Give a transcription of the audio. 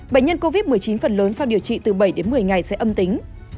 bệnh nhân covid một mươi chín phần lớn sau điều trị từ bảy đến một mươi ngày sẽ âm tính